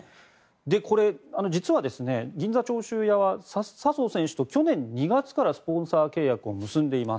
これ、実は銀座長州屋は笹生選手と去年２月からスポンサー契約を結んでいます。